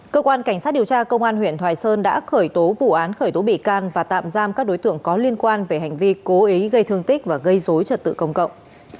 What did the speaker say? cơ quan cảnh sát điều tra công an huyện thoại sơn đã khởi tố vụ án khởi tố bị can và tạm giam các đối tượng có liên quan về hành vi cố ý gây thương tích và gây dối trật tự công cộng